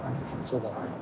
そうだね。